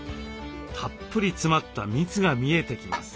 たっぷり詰まった蜜が見えてきます。